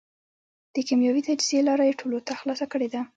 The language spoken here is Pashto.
د کېمیاوي تجزیې لاره یې ټولو ته خلاصه کړېده.